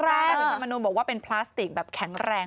ถึงมนุนบอกว่าเป็นพลาสติกแข็งแรงมาก